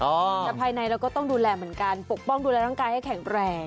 แต่ภายในเราก็ต้องดูแลเหมือนกันปกป้องดูแลร่างกายให้แข็งแรง